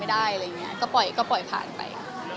อะไรอย่างนี้ก็ปล่อยก็ปล่อยผ่านไป